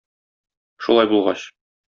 Шулай булгач...